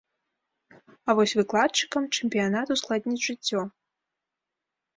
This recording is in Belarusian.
А вось выкладчыкам чэмпіянат ускладніць жыццё.